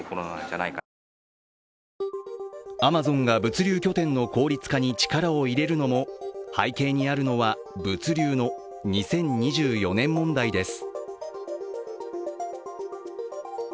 アマゾンが物流拠点の効率化に力を入れるのも背景にあるのは物流の２０２４年問題です。